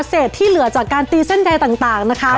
เศษที่เหลือจากการตีเส้นใยต่างต่างนะคะครับ